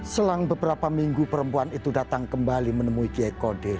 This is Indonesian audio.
selang beberapa minggu perempuan itu datang kembali menemui kiai kodir